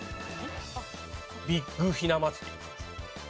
ビッグひな祭り。